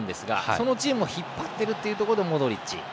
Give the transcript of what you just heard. そのチームを引っ張っているというところでモドリッチ。